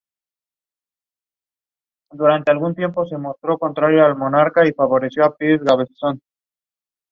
He is the son of former player Jean Djorkaeff.